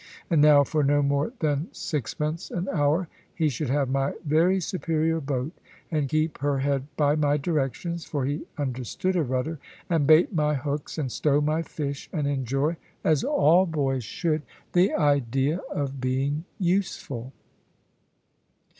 And now, for no more than 6d. an hour, he should have my very superior boat, and keep her head by my directions, for he understood a rudder, and bait my hooks, and stow my fish, and enjoy (as all boys should) the idea of being useful.